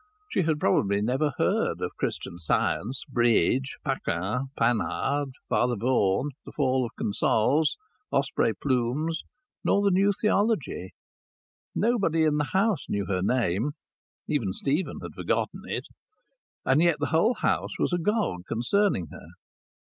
She had probably never heard of Christian Science, bridge, Paquin, Panhard, Father Vaughan, the fall of consols, osprey plumes, nor the new theology. Nobody in the house knew her name; even Stephen had forgotten it. And yet the whole house was agog concerning her.